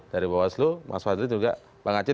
dari bawaslu mas wadli dan juga bang aci